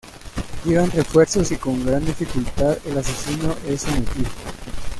Llegan refuerzos y con gran dificultad el asesino es sometido.